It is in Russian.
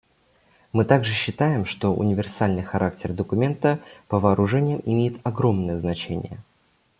Мы также считаем, что универсальный характер документа по вооружениям имеет огромное значение.